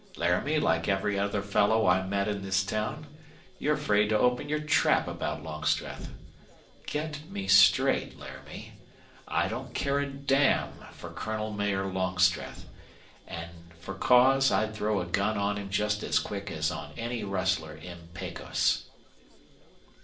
Laramie, like every other fellow I meet in this town, you're afraid to open your trap about Longstreth. Get me straight, Laramie. I don't care a damn for Colonel Mayor Longstreth. And for cause I'd throw a gun on him just as quick as on any rustler in Pecos."